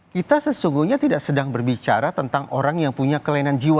kita sesungguhnya tidak sedang berbicara tentang orang yang punya kelainan jiwa